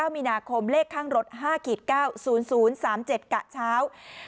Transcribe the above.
มีนาคมเลขข้างรถ๕๙๐๐๓๗กะเช้า